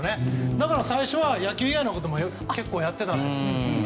だから最初は野球以外のこともやっていたんです。